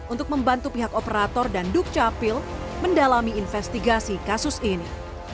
untuk membantu pihak operator dan dukcapil mendalami investigasi kasus ini